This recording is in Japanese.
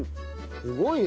すごいね！